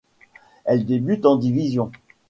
Elle débute en division.